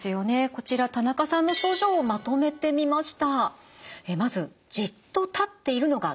こちら田中さんの症状をまとめてみました。